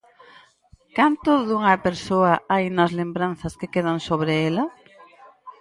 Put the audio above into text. Canto dunha persoa hai nas lembranzas que quedan sobre ela?